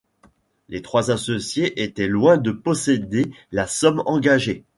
Les trois associés étaient loin de posséder la somme engagée.